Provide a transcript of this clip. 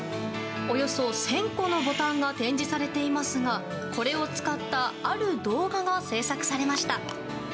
およそ１０００個のボタンが展示されていますがこれを使ったある動画が制作されました。